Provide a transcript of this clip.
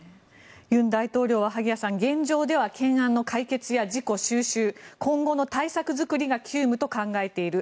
尹大統領は萩谷さん現状では懸案の解決や事故収拾、今後の対策作りが急務と考えている。